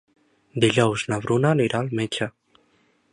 Dijous na Bruna anirà al metge.